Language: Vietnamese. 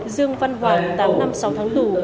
dương văn hoàng tám năm sáu tháng tù